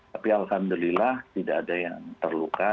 tapi alhamdulillah tidak ada yang terluka